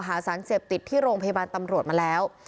หาสารเสพติดที่โรงพยาบาลตำรวจมาแล้ว